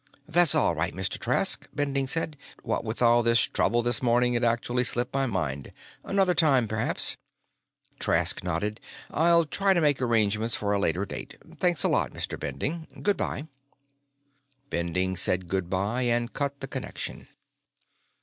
"That's all right, Mr. Trask," Bending said. "What with all this trouble this morning, it actually slipped my mind. Another time, perhaps." Trask nodded. "I'll try to make arrangements for a later date. Thanks a lot, Mr. Bending. Good by." Bending said good by and cut the connection.